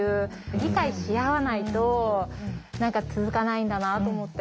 理解し合わないと何か続かないんだなと思って。